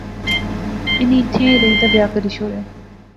انی ایتھیں ایہہ رہی تہ بیاہ کری شوڑیا